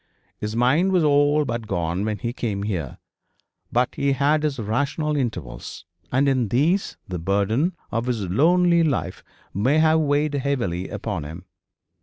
His mind was all but gone when he came here, but he had his rational intervals, and in these the burden of his lonely life may have weighed heavily upon him.